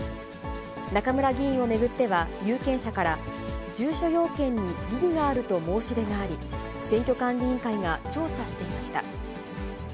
中村議員を巡っては、有権者から住所要件に疑義があると申し出があり、選挙管理委員会が調査していました。